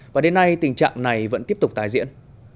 và đến nay tình trạng này vẫn tiếp tục tái diễn